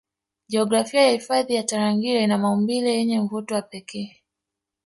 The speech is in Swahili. Jiografia ya hifadhi ya Tarangire ina maumbile yenye mvuto wa pekee